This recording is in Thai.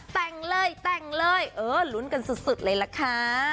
แต่งเลยแต่งเลยเออลุ้นกันสุดเลยล่ะค่ะ